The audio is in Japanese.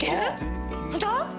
ホント？